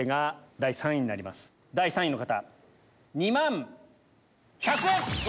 第３位の方２万１００円！